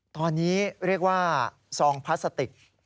ตอนนี้เรียกว่าซองพลาสติก